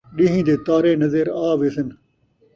ݙین٘ہہ دے تارے نظر آویسن